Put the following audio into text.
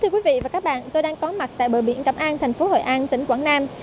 thưa quý vị và các bạn tôi đang có mặt tại bờ biển cẩm an thành phố hội an tỉnh quảng nam